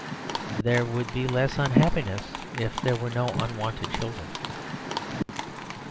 There would be less unhappiness if there were no unwanted children."